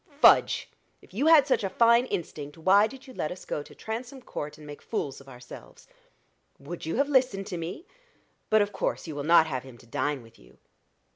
"Fudge! if you had such a fine instinct, why did you let us go to Transome Court and make fools of ourselves?" "Would you have listened to me? But of course you will not have him to dine with you?"